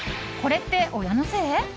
これって親のせい？